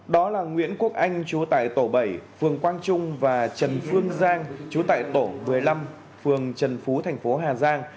đó là nguyễn quốc anh chú tại tổ bảy phường quang trung và trần phương giang chú tại tổ một mươi năm phường trần phú thành phố hà giang